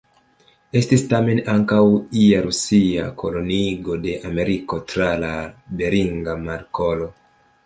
Estis tamen ankaŭ ia Rusia koloniigo de Ameriko tra la Beringa Markolo.